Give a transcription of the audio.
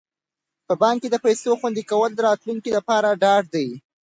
په بانک کې د پيسو خوندي کول د راتلونکي لپاره ډاډ دی.